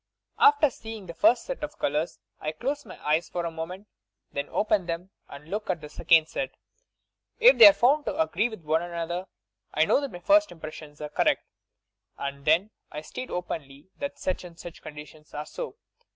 After seeing the first set of colours I close my eyes for a moment, then open them and look at the second set. If they are found to agree with one another, I know that my first impressions are correct, and I then state openly that sueh and such conditions are so.